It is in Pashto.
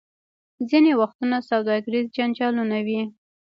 ځینې وختونه سوداګریز جنجالونه وي.